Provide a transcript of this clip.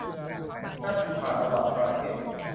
การผูกขาดระหว่างประเทศ